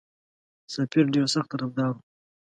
سفیر ډېر سخت طرفدار وو.